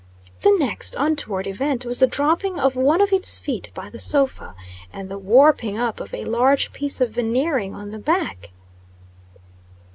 The next untoward event was the dropping of one of its feet by the sofa, and the warping up of a large piece of veneering on the back.